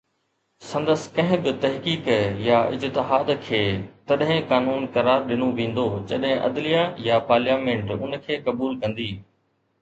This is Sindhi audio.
سندس ڪنهن به تحقيق يا اجتهاد کي تڏهن قانون قرار ڏنو ويندو جڏهن عدليه يا پارليامينٽ ان کي قبول ڪندي